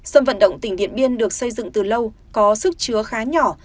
sân vận động tỉnh điện biên được xây dựng từ lâu có sức chứa khá nhỏ